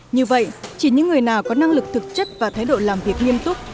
như vậy chỉ những người nào có năng lực thực chất và thái độ làm việc nghiêm túc